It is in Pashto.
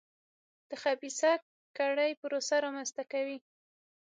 د خبیثه کړۍ پروسه رامنځته کوي.